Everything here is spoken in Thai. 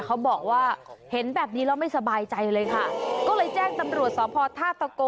เขาบอกว่าเห็นแบบนี้แล้วไม่สบายใจเลยค่ะก็เลยแจ้งตำรวจสอบพอท่าตะโก